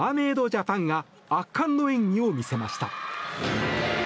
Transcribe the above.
ジャパンが圧巻の演技を見せました。